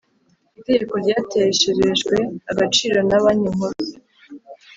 itegeko ryatesherejwe agaciro na banki nkuru